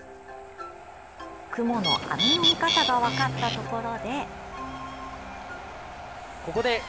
クモの網の見方が分かったところで。